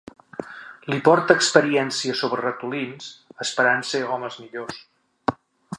Li porta experiències sobre ratolins esperant ser homes millors.